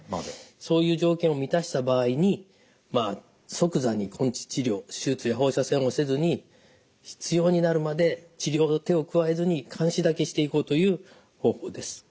そういう条件を満たした場合にまあ即座に根治治療手術や放射線をせずに必要になるまで治療の手を加えずに監視だけしていこうという方法です。